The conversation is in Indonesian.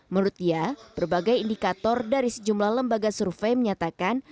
menurut dia berbagai indikator dari sejumlah lembaga survei menyatakan